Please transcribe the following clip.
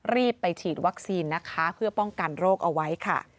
รีบไปฉีดวัคซีนนะคะเพื่อป้องกันโรคเอาไว้ค่ะ